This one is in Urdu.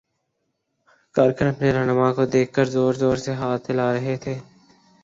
کارکن اپنے راہنما کو دیکھ کر زور زور سے ہاتھ ہلا رہے تھے۔